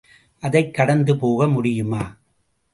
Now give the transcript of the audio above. அதைக் கடந்து போக முடியுமா?